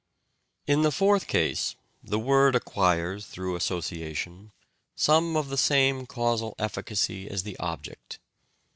In the fourth case, the word acquires, through association, some of the same causal efficacy as the object.